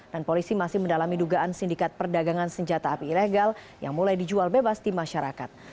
dan polisi masih mendalami dugaan sindikat perdagangan senjata api ilegal yang mulai dijual bebas di masyarakat